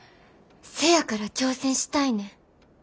せやから挑戦したいねん。